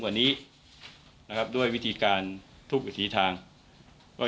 จากนั้นก็จะนำมาพักไว้ที่ห้องพลาสติกไปวางเอาไว้ตามจุดนัดต่าง